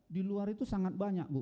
di luar itu sangat banyak bu